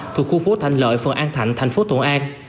thuộc khu phố thạnh lợi phường an thạnh thành phố thuận an